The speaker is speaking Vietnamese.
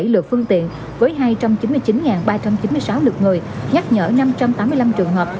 một trăm chín mươi năm trăm năm mươi bảy lượt phương tiện với hai trăm chín mươi chín ba trăm chín mươi sáu lượt người nhắc nhở năm trăm tám mươi năm trường hợp